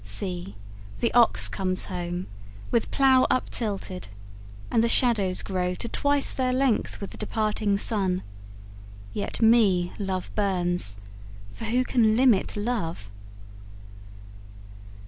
See, the ox comes home With plough up tilted, and the shadows grow To twice their length with the departing sun, Yet me love burns, for who can limit love?